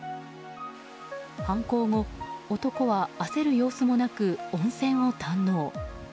犯行後、男は焦る様子もなく温泉を堪能。